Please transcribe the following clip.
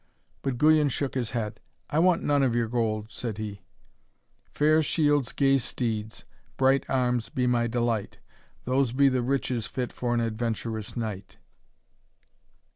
But Guyon shook his head. 'I want none of your gold,' said he. 'Fair shields, gay steeds, bright arms be my delight, Those be the riches fit for an adventurous knight.'